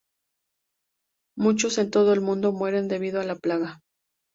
Muchos en todo el mundo mueren debido a la plaga.